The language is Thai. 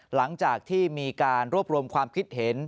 หลังจากที่มีการรวบรวมความคิดเห็น